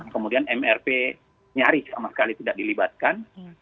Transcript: kemudian mrp nyaris sama sekali tidak dilibatkan